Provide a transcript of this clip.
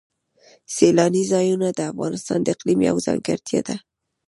سیلاني ځایونه د افغانستان د اقلیم یوه ځانګړتیا ده.